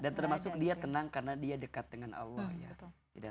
dan termasuk dia tenang karena dia dekat dengan allah ya